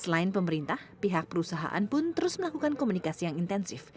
selain pemerintah pihak perusahaan pun terus melakukan komunikasi yang intensif